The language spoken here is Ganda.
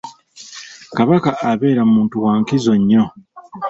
Kabaka abeera muntu wa nkizo nnyo.